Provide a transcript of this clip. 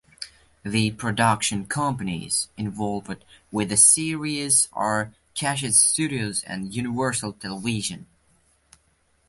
The production companies involved with the series are Keshet Studios and Universal Television.